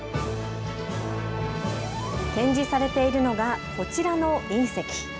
展示されているのがこちらの隕石。